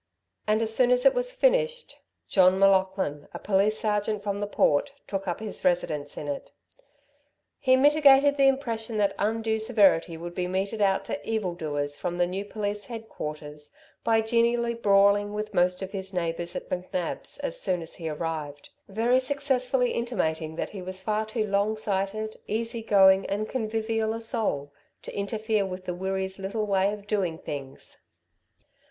And as soon as it was finished, John M'Laughlin, a police sergeant from the Port, took up his residence in it. He mitigated the impression that undue severity would be meted out to evil doers from the new police head quarters, by genially brawling with most of his neighbours at McNab's as soon as he arrived, very successfully intimating that he was far too long sighted, easy going and convivial a soul to interfere with the Wirree's little way of doing things.